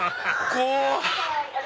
怖っ。